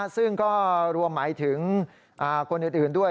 ซึ่งก็รวมหมายถึงคนอื่นด้วย